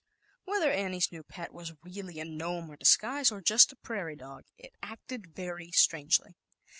Whether Annie's new pet was really a Gnome in disguise, or just a prairie dog, it acted very strangely.